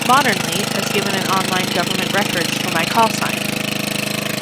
Modernly - as given in online government records for my callsign.